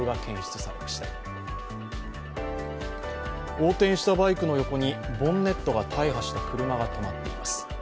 横転したバイクの横にボンネットが大破車が止まっています。